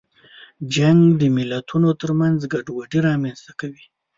جنګ د ملتونو ترمنځ ګډوډي رامنځته کوي.